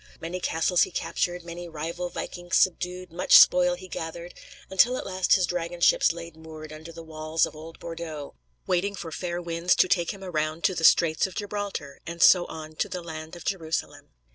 Many castles he captured; many rival vikings subdued; much spoil he gathered; until at last his dragon ships lay moored under the walls of old Bordeaux, waiting for fair winds to take him around to the Straits of Gibraltar, and so on "to the land of Jerusalem."